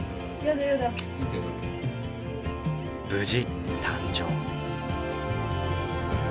無事誕生。